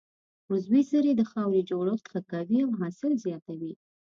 عضوي سرې د خاورې جوړښت ښه کوي او حاصل زیاتوي.